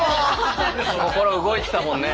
心動いてたもんね。